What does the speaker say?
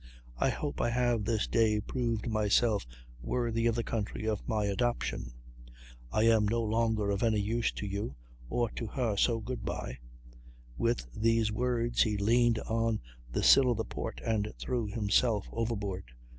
I hope I have this day proved myself worthy of the country of my adoption. I am no longer of any use to you or to her, so good by!" With these words he leaned on the sill of the port, and threw himself overboard.